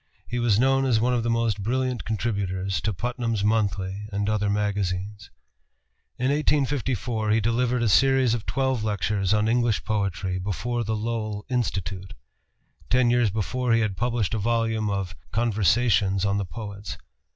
He was known as one of the most brilliant contributors to Putnam's Monthly and other magazines. In 1854 he delivered a series of twelve lectures on English poetry before the Lowell Institute. Ten years before he had published a volume of "Conversations on the Poets."